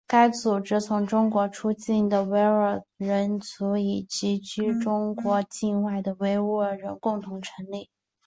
该组织由从中国出境的维吾尔族人以及旅居中国境外的维吾尔人共同成立。